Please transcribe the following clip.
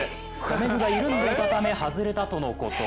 留め具が緩んでいたため外れたとのこと。